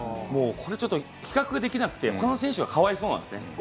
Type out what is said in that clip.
これちょっと比較ができなくてほかの選手が可哀想なんですね。